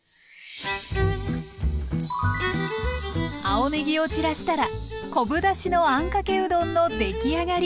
青ねぎを散らしたら昆布だしのあんかけうどんのできあがり！